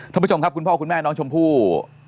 ท่านผู้ชมครับคุณพ่อคุณแม่น้องชมพู่